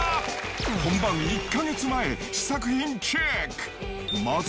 本番１か月前、試作品チェック。